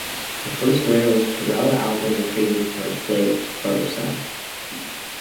The first winner was Tarell Alvin McCraney for his play "The Brothers Size".